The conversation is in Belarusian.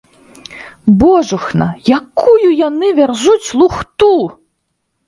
Божухна, якую яны вярзуць лухту!